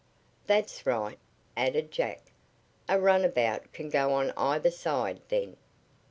"That's right," added Jack. "A runabout can go on either side, then."